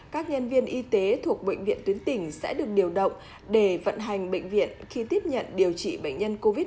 các nhân viên y tế thuộc bệnh viện tuyến tỉnh sẽ được điều động để vận hành bệnh viện khi tiếp nhận điều trị bệnh nhân covid một mươi chín